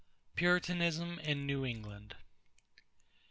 =Puritanism in New England.